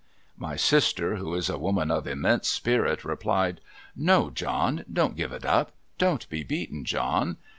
My sister, who is a woman of immense spirit, replied, ' No, John, don't give it up. Don't be beaten, John.